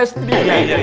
pohon akan saya sendiri